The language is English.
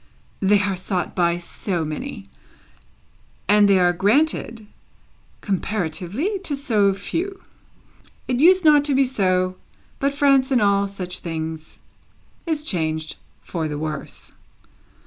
They are sought by so many, and they are granted (comparatively) to so few! It used not to be so, but France in all such things is changed for the worse.